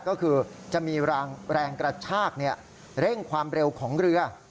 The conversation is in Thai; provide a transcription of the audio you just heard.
ก็คือจะมีแรงกระชากเร่งความเร็วของเรือ